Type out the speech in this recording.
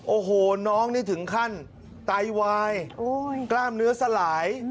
โอ้โหน้องนี่ถึงขั้นไตวายกล้ามเนื้อสลาย